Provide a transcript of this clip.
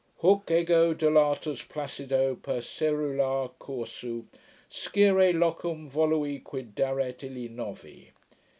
Huc ego delatus placido per coerula cursu Scire locum volui quid daret itte novi.